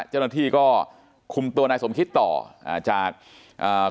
เจ้าหน้าที่ก็คุมตัวนายสมคิดต่ออ่าจากอ่า